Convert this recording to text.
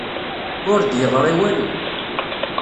Ur d-yeḍṛi walu.